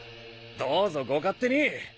どぞご勝手に！